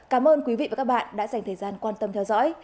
cảm ơn quý vị và các bạn đã dành thời gian quan tâm theo dõi